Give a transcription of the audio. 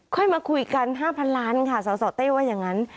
ค่อยมาคุยกัน๕พันล้านค่ะสเต้ว่าอย่างนั้น